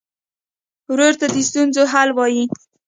ورور ته د ستونزو حل وايي.